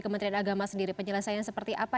kementerian agama sendiri penyelesaian seperti apa